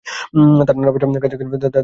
তার নানার বাসা কাছেই ছিল তাদের বাসা থেকে।